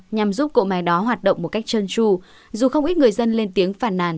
nhằm giúp cỗ máy đó hoạt động một cách chân tru dù không ít người dân lên tiếng phản nàn